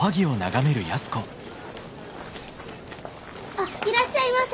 あっいらっしゃいませ。